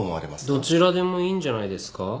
どちらでもいいんじゃないですか。